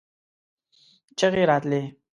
چيغې راتلې.